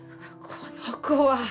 この子はっ。